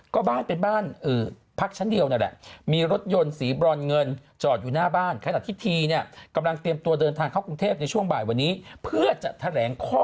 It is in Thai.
ก็บ้านเป็นบ้านปักชั้นเดียวนั่นแหละ